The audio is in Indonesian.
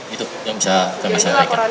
itu yang bisa kami sampaikan